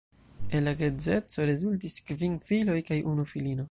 El la geedzeco rezultis kvin filoj kaj unu filino.